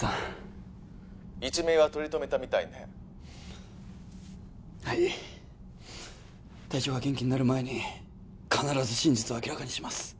☎一命は取り留めたみたいねはい隊長が元気になる前に必ず真実を明らかにします